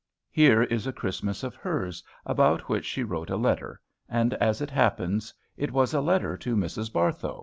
Here is a Christmas of hers, about which she wrote a letter; and, as it happens, it was a letter to Mrs. Barthow.